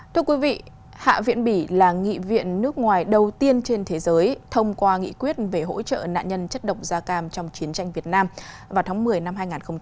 thưa quý vị hạ viện bỉ là nghị viện nước ngoài đầu tiên trên thế giới thông qua nghị quyết về hỗ trợ nạn nhân chất độc da cam trong chiến tranh việt nam vào tháng một mươi năm hai nghìn hai mươi ba